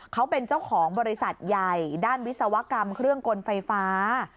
เขาเป็นเจ้าของบริษัทใหญ่ด้านวิศวกรรมเครื่องกลไฟฟ้า